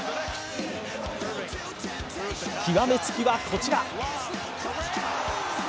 極め付きはこちら。